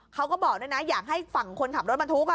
เขาก็บอกน่ะอยากให้ฝั่งคนขับรถมาทุกอ่ะ